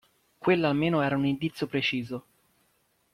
Quella almeno era un indizio preciso.